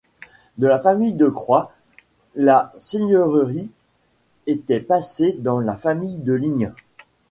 De la famille de Croÿ, la seigneurie était passée dans la famille de Ligne.